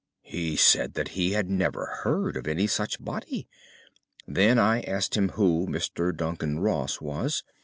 He said that he had never heard of any such body. Then I asked him who Mr. Duncan Ross was.